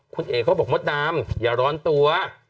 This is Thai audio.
คุณเอ๋เขาบอกมดดำอย่าร้อนตัว